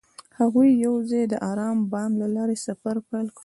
هغوی یوځای د آرام بام له لارې سفر پیل کړ.